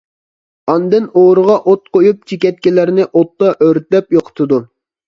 ئاندىن ئورىغا ئوت قويۇپ، چېكەتكىلەرنى ئوتتا ئۆرتەپ يوقىتىدۇ.